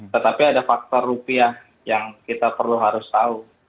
tetapi ada faktor rupiah yang kita perlu harus tahu